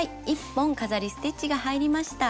１本飾りステッチが入りました。